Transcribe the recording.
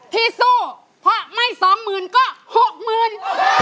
ที่สู้เพราะไม่สองหมื่นก็หกหมื่น